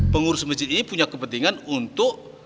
pengurus masjid ini punya kepentingan untuk